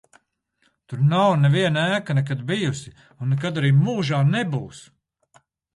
Tur nav neviena ēka nekad bijusi un nekad arī mūžā nebūs.